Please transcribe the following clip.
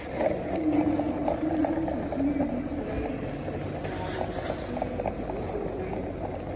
"And now, would you like to hear me play," Said the traveller, "ere you go your way?